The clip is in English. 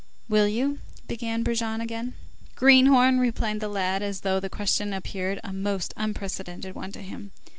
"Will you?" began Brujon again. "Greenhorn!" replied the lad, as though the question appeared a most unprecedented one to him.